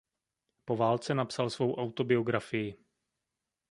Po válce napsal svou autobiografii.